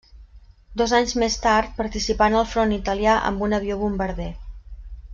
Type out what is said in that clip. Dos anys més tard participà en el front italià amb un avió bombarder.